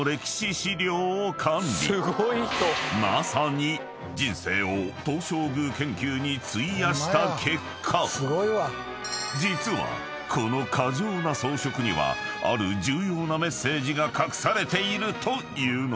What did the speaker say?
［まさに人生を東照宮研究に費やした結果実はこの過剰な装飾にはある重要なメッセージが隠されているというのだ］